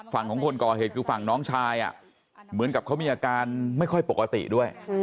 ฝั่งของคนก่อเหตุคือฝั่งน้องชายเหมือนกับเขามีอาการไม่ค่อยปกติด้วย